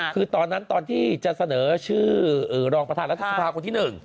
คือตอนนั้นตอนที่จะเสนอชื่อรองประธานรัฐสภาคนที่๑